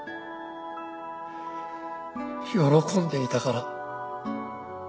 「喜んでいたから」